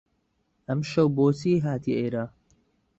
ئەمشەو بۆچی هاتیە ئێرە؟